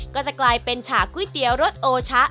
ก็จะกลายเป็นฉากก๋วยเตี๋ยวรสโอชะ